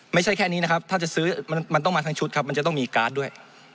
ไม่ใช่แค่นี้นะครับถ้าจะซื้อมันต้องมาทั้งชุดครับมันจะต้องมีการ์ดด้วย